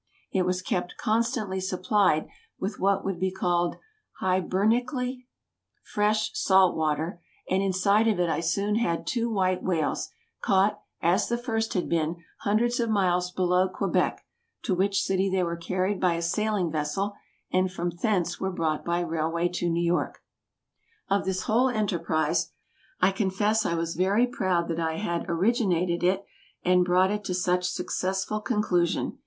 It was kept constantly supplied with what would be called Hibernically, "fresh" salt water, and inside of it I soon had two white whales, caught, as the first had been, hundreds of miles below Quebec, to which city they were carried by a sailing vessel, and from thence were brought by railway to New York. Of this whole enterprise, I confess I was very proud that I had originated it and brought it to such successful conclusion.